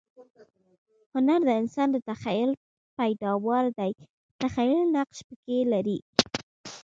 هنر د انسان د تخییل پیداوار دئ. تخییل نقش پکښي لري.